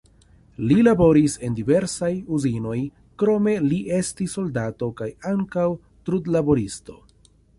Li laboris en diversaj uzinoj, krome li estis soldato kaj ankaŭ trudlaboristo.